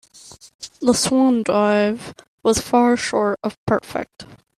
The swan dive was far short of perfect.